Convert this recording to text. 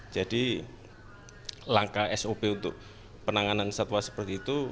jadi langka sop untuk penanganan satwa seperti itu